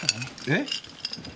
えっ？